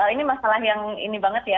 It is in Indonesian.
ini masalah yang ini banget ya